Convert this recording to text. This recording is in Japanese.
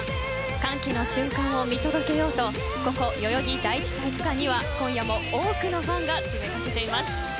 歓喜の瞬間を見届けようとここ代々木第一体育館には今夜も多くのファンが詰めかけています。